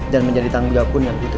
dan menjadi tanggung jagung yang putri